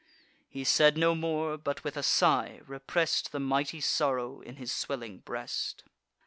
He said no more, but, with a sigh, repress'd The mighty sorrow in his swelling breast.